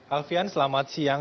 alfian selamat siang